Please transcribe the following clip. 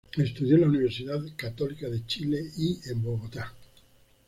Estudió en la Universidad Católica de Chile y en Bogotá.